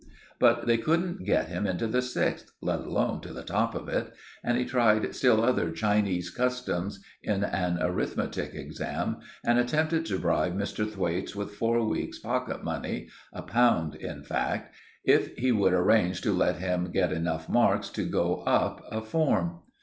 But they couldn't get him into the sixth, let alone to the top of it; and he tried still other Chinese customs in an arithmetic exam, and attempted to bribe Mr. Thwaites with four weeks' pocket money—a pound, in fact—if he would arrange to let him get enough marks to go up a form.